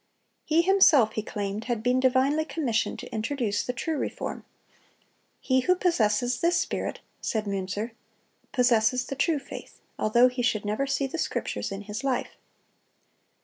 He himself, he claimed, had been divinely commissioned to introduce the true reform. "He who possesses this spirit," said Münzer, "possesses the true faith, although he should never see the Scriptures in his life."